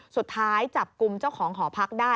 สุดท้ายจับกลุ่มเจ้าของหอพักได้